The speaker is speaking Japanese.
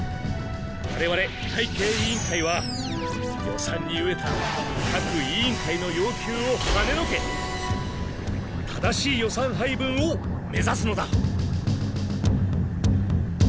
われわれ会計委員会は予算にうえた各委員会の要求をはねのけ正しい予算配分を目ざすのだ。